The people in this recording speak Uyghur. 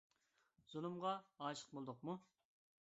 زۇلۇمغا ئاشىق بولدۇقمۇ؟